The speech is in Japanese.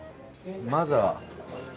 まずは。